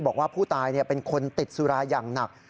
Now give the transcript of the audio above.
บอกว่าผู้ตายเป็นคนติดสุราอย่างหนัก